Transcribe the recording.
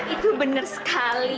itu bener sekali